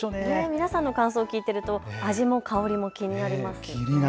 皆さんの感想を聞いていると味も香りも気になりますね。